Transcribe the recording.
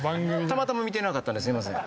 たまたま見てなかったのですいません。